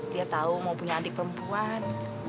dia tahu mau punya adik perempuan